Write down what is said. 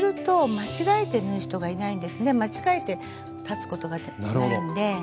間違えて裁つことがないんで。